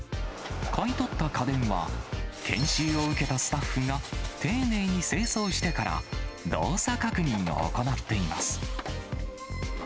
買い取った家電は、研修を受けたスタッフが丁寧に清掃してから、動作確認を行っています。